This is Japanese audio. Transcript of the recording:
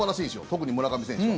特に村上選手は。